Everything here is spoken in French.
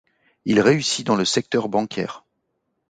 Il réussit dans le secteur bancaire.